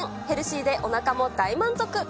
ヘルシーでおなかも大満足。